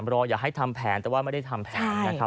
อย่าให้ทำแผนแต่ว่าไม่ได้ทำแผนนะครับ